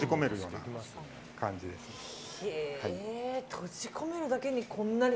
閉じ込めるだけにこんなに。